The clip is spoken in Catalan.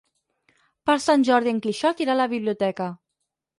Per Sant Jordi en Quixot irà a la biblioteca.